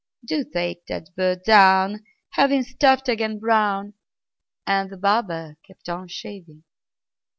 Do take that bird down; Have him stuffed again, Brown!" And the barber kept on shaving.